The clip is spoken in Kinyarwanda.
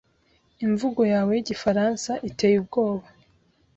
Imvugo yawe yigifaransa iteye ubwoba.